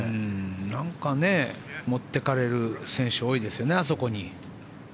なんか持ってかれる選手が多いですよね、あそこに。